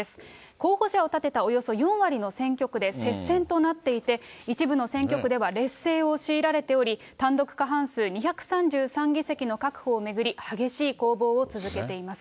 候補者を立てたおよそ４割の選挙区で接戦となっていて、一部の選挙区では劣勢を強いられており、単独過半数２３３議席の確保を巡り、激しい攻防を続けています。